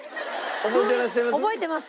覚えてらっしゃいます？